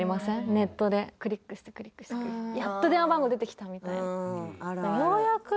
ネットでクリックしてクリックしてやっと電話番号出てきたみたいな